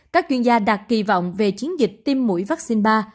các chuyên gia đặt kỳ vọng về chiến dịch tiêm mũi vaccine ba